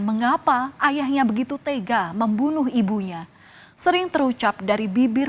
mengapa ayahnya begitu tega membunuh ibunya sering terucap dari bibir